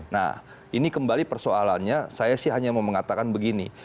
nah ini kembali persoalannya saya sih hanya mau mengatakan begini